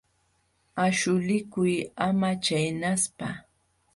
Aśhulikuy ama chaynaspa.